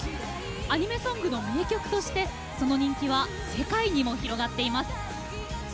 アニメソングの名曲としてその人気は世界にも広がっています。